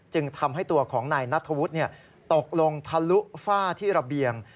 จึงทำให้ตัวของนายนัทธวุฒิตกลงทะลุฝ้าที่ระเบียง